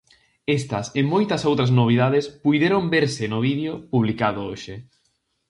Estas e moitas outras novidades puideron verse no vídeo publicado hoxe: